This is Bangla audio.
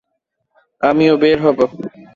আমিও বের হব!